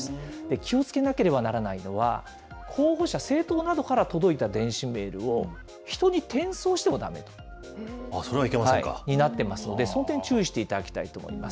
気をつけなければならないのは、候補者、政党などから届いた電子メールを、人に転送してもだめ。になってますので、その点、注意していただきたいと思います。